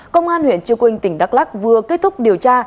công an huyện chư quynh tỉnh đắk lắc vừa kết thúc điều tra